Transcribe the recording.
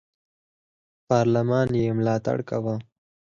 پارلمان ملاتړ یې کاوه.